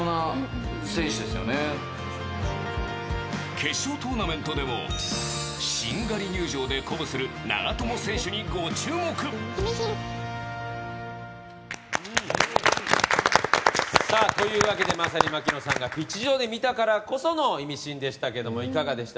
決勝トーナメントでもしんがり入場で鼓舞する長友選手にご注目！というわけでまさに槙野さんがピッチ上で見たからこそのイミシンでしたけどもいかがでした？